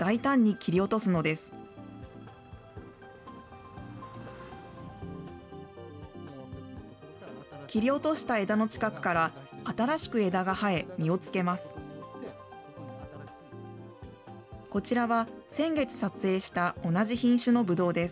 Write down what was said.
切り落とした枝の近くから新しく枝が生え、実をつけます。